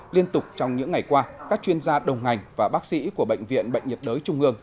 liên tục trong những ngày qua các chuyên gia đồng ngành và bác sĩ của bệnh viện bệnh nhiệt đới trung ương